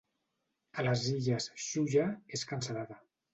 A les Illes 'xulla' és cansalada.